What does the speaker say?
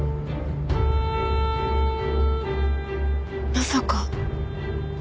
まさか。